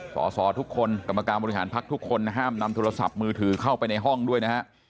สอสอทุกคนกรรมการบริหารพักทุกคนห้ามนำโทรศัพท์มือถือเข้าไปในห้องด้วยนะฮะ